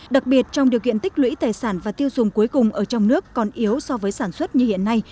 đặc biệt trong điều kiện tích lũy tài sản và tiêu dùng cuối cùng ở trong nước còn yếu so với sản xuất như hiện nay